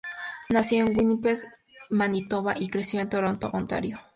Nació en Winnipeg, Manitoba y creció en Toronto, Ontario.